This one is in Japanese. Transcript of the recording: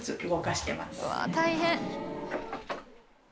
うわあ大変。